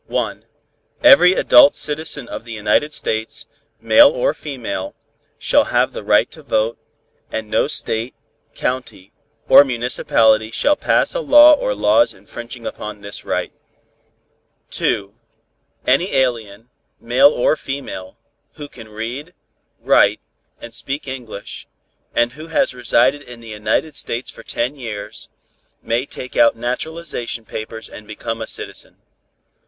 Every adult citizen of the United States, male or female, shall have the right to vote, and no state, county or municipality shall pass a law or laws infringing upon this right. 2. Any alien, male or female, who can read, write and speak English, and who has resided in the United States for ten years, may take out naturalization papers and become a citizen.